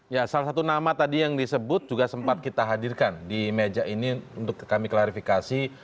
ya salah satu nama tadi yang disebut juga sempat kita hadirkan di meja ini untuk kami klarifikasi